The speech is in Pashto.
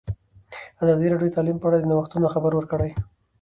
ازادي راډیو د تعلیم په اړه د نوښتونو خبر ورکړی.